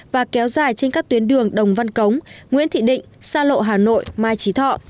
và kéo dài trên các tuyến đường đồng văn cống nguyễn thị định sa lộ hà nội mai trí thọ